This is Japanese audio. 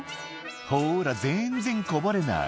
「ほら全然こぼれない